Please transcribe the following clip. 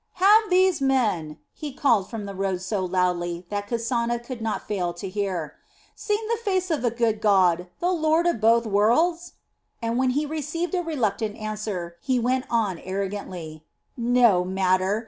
"Have these men," he called from the road so loudly that Kasana could not fail to hear, "seen the face of the good god, the lord of both worlds?" And when he received a reluctant answer, he went on arrogantly: "No matter!